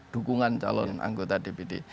dukungan calon anggota dpd